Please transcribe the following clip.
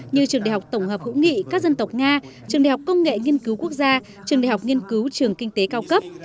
như trường đại học tổng hợp hữu nghị các dân tộc nga trường đại học công nghệ nghiên cứu quốc gia trường đại học nghiên cứu trường kinh tế cao cấp